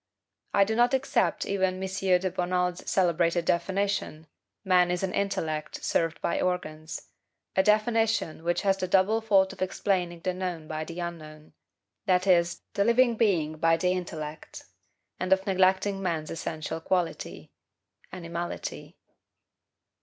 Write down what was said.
I do not except even M. de Bonald's celebrated definition, MAN IS AN INTELLECT SERVED BY ORGANS a definition which has the double fault of explaining the known by the unknown; that is, the living being by the intellect; and of neglecting man's essential quality, animality.